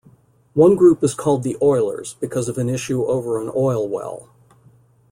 One group is called the 'oilers', because of an issue over an oil well.